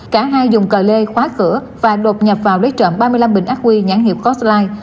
cả hai dùng cờ lê khóa cửa và đột nhập vào lấy trộm ba mươi năm bình ác quy nhãn hiệu costline